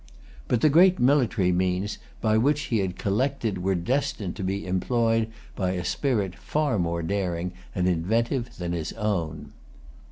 But the great military means which he had collected were[Pg 247] destined to be employed by a spirit far more daring and inventive than his own.